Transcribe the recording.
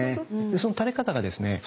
その垂れ方がですねおお。